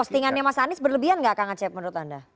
postingannya mas anies berlebihan gak kak ngecep menurut anda